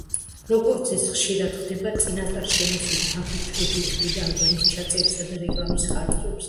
როგორც ეს ხშირად ხდება, წინასწარ შემოსული თანხით ჯგუფი იხდიდა ალბომის ჩაწერისა და რეკლამის ხარჯებს.